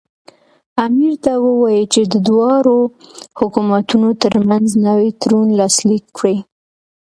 امیر ته ووایي چې د دواړو حکومتونو ترمنځ نوی تړون لاسلیک کړي.